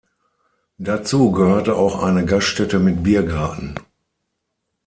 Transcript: Dazu gehörte auch eine Gaststätte mit Biergarten.